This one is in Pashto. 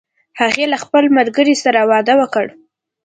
هغې له خپل ملګری سره واده وکړ